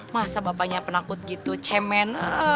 masa bapaknya penakut gitu cemen